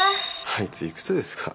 あいついくつですか？